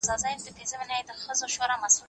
زه پرون واښه راوړم وم؟!